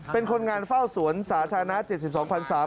เป็นคนงานเฝ้าสวนสาธารณะ๗๒พันศา